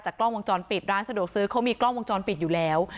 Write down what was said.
กล้องวงจรปิดร้านสะดวกซื้อเขามีกล้องวงจรปิดอยู่แล้ว